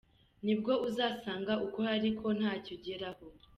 Nibwo uzasanga ukora ariko ntacyo ugeraho.